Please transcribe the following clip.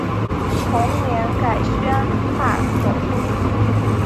同年改宣大总督。